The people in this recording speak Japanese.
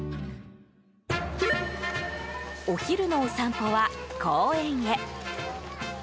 お昼のお散歩は公園へ。